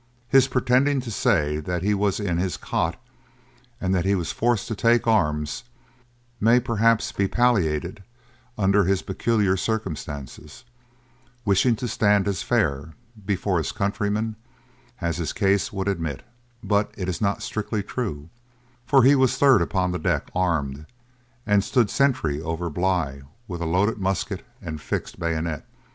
His pretending to say that he was in his cot, and that he was forced to take arms, may perhaps be palliated under his peculiar circumstances, wishing to stand as fair before his countrymen as his case would admit but it is not strictly true; for he was the third upon deck armed, and stood sentry over Bligh with a loaded musket and fixed bayonet.